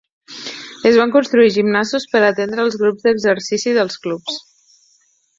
Es van construir gimnasos per atendre els grups d'exercici dels clubs.